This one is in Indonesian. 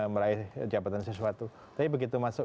meraih jabatan sesuatu tapi begitu masuk